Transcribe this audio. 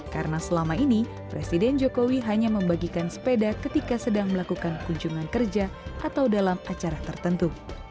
karena selama ini presiden jokowi hanya membagikan sepeda ketika sedang melakukan kunjungan kerja atau dalam acara tertentu